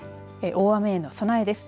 大雨への備えです。